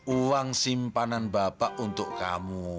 uang simpanan bapak untuk kamu